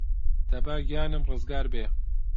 دەبا گیانم رزگار بێ